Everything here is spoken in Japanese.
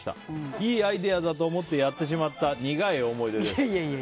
いいアイデアだと思ってやってしまった苦い思い出です。